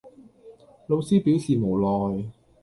老師表示無奈